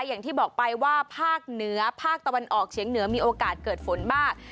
อย่างที่บอกไปว่าภาคเหนือภาคตะวันออกเฉียงเหนือมีโอกาสเกิดฝนมาก